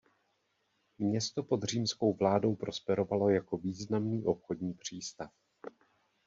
Město pod římskou vládou prosperovalo jako významný obchodní přístav.